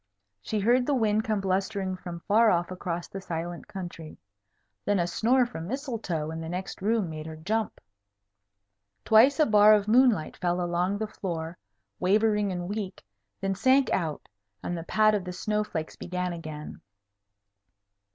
She heard the wind come blustering from far off across the silent country. Then a snore from Mistletoe in the next room made her jump. Twice a bar of moonlight fell along the floor, wavering and weak, then sank out, and the pat of the snow flakes began again.